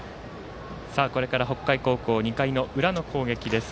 これから、北海高校２回の裏の攻撃です。